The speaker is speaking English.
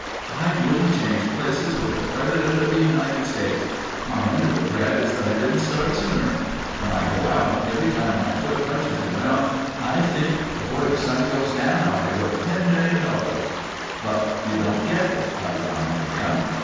"I wouldn't change places with the President of the United States. My only regret is that I didn't start sooner. When I go out, every time my foot touches the ground, I think 'before the sun goes down I'll be worth $10,000,000.'" "But you don't get it," I reminded him.